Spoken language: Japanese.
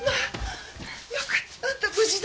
よかった無事で！